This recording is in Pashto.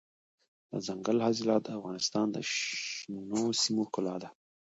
دځنګل حاصلات د افغانستان د شنو سیمو ښکلا ده.